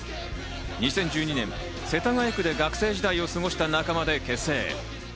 ２０１２年、世田谷区で学生時代を過ごした仲間で結成。